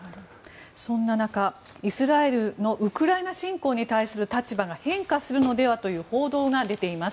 そんな中、イスラエルのウクライナ侵攻に対する立場が変化するのではという報道が出ています。